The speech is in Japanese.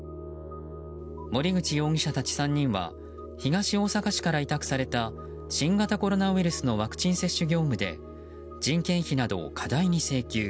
森口容疑者たち３人は東大阪市から委託された新型コロナウイルスのワクチン接種業務で人件費などを過大に請求。